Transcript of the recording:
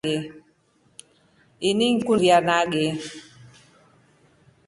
Ini ngikundi iburia nage.